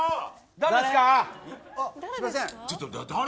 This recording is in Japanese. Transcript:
誰ですか。